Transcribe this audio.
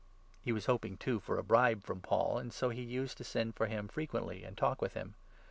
He was hoping, too, for a bribe from Paul, and so he used 26 to send for him frequently and talk with him.